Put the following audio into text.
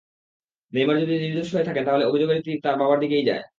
Neymar যদি নির্দোষ হয়ে থাকেন, তাহলে অভিযোগের তির তাঁর বাবার দিকেই যায়।